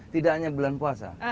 tidak hanya bulan puasa